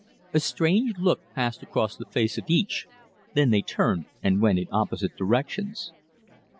A strange look passed across the face of each, then they turned and went in opposite directions.